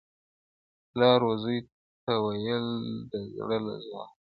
پلار و زوی ته و ویل د زړه له زوره,